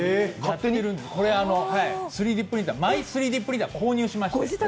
これ３Ｄプリンター、マイ３Ｄプリンターを購入しまして。